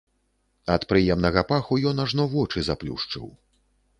Ад прыемнага паху ён ажно вочы заплюшчыў.